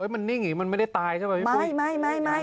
มันนิ่งอยู่มันไม่ได้ตายใช่ป่าวพี่ฟุ้ย